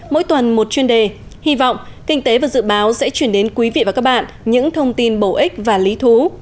mỗi tuần một chuyên đề hy vọng kinh tế và dự báo sẽ chuyển đến quý vị và các bạn những thông tin bổ ích và lý thú